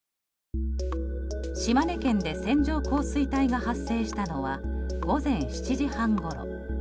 島根県で線状降水帯が発生したのは午前７時半ごろ。